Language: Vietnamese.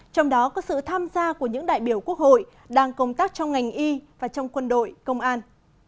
trong đó có sự tham gia của những đại biểu quốc hội đang công tác trong ngành y và trong quân đội công an